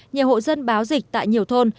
nhiều hộ dân báo dịch tại nhiều thôn